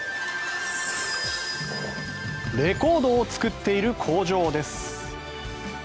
レコードを作っている工場です。